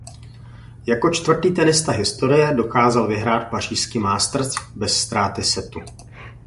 Jako čtvrtý tenista historie dokázal vyhrát pařížský Masters bez ztráty setu.